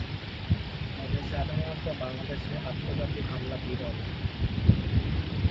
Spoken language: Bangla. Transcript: তবে সাধারণত বাংলাদেশে আত্মঘাতী হামলা বিরল।